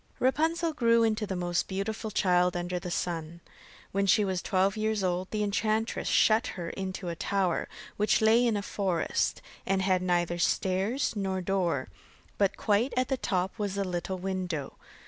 Rapunzel grew into the most beautiful child under the sun. When she was twelve years old, the enchantress shut her into a tower, which lay in a forest, and had neither stairs nor door, but quite at the top was a little window.